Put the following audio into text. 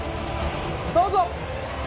どうぞ！